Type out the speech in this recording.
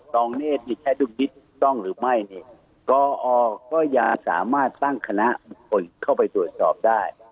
รองเรศมีใช้ดุลพินิษฐ์ต้องหรือไม่กอก็อย่าสามารถตั้งคณะบุคคลเข้าไปตรวจสอบได้